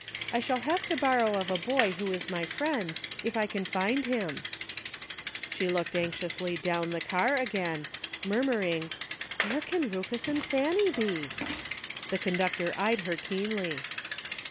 I shall have to borrow of a boy who is my friend, if I can find him." She 72 A NEW FRIEND. looked anxiously down the car again, murmur ing, "Where can Rufus and Fanny be?" The conductor eyed her keenly.